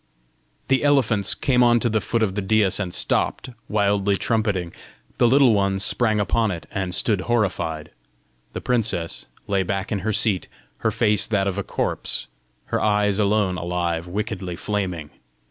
The elephants came on to the foot of the daïs, and stopped, wildly trumpeting; the Little Ones sprang upon it, and stood horrified; the princess lay back in her seat, her face that of a corpse, her eyes alone alive, wickedly flaming.